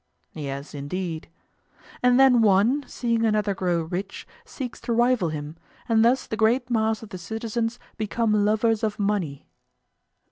Yes, indeed. And then one, seeing another grow rich, seeks to rival him, and thus the great mass of the citizens become lovers of money.